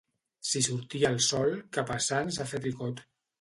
Si sortia el sol, cap a Sants a fer tricot.